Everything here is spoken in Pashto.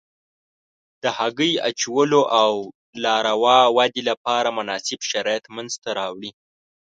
د هګۍ اچولو او لاروا ودې لپاره مناسب شرایط منځته راوړي.